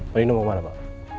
panino mau kemana pak